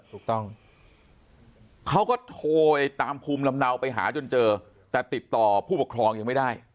ถูกต้องเขาก็โทรไปตามภูมิลำเนาไปหาจนเจอแต่ติดต่อผู้ปกครองยังไม่ได้